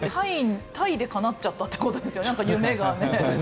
タイでかなっちゃったってことですよね。